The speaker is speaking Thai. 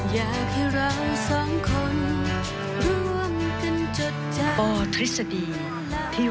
อยากให้เราสองคนร่วมกันจดใจ